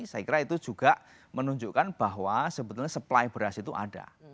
saya kira itu juga menunjukkan bahwa sebetulnya supply beras itu ada